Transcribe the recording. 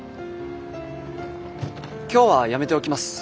今日はやめておきます。